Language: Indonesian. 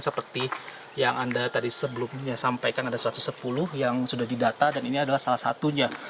seperti yang anda tadi sebelumnya sampaikan ada satu ratus sepuluh yang sudah didata dan ini adalah salah satunya